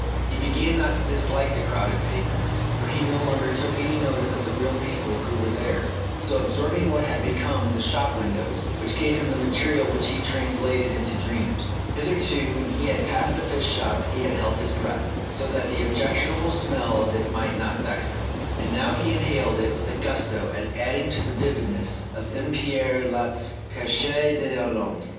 He began not to dislike the crowded pavements, for he no longer took any notice of the real people who were there, so absorbing had become the shop windows which gave him the material which he translated into dreams. Hitherto, when he had passed a fish shop he had held his breath, so that the objectionable smell of it might not vex him ; now, he inhaled it with a gusto as adding to the vividness of M. Pierre Loti's "Pecheur dTslande."